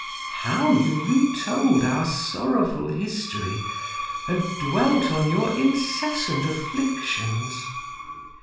How you retold our sorrowful history, and dwelt on your incessant afflictions!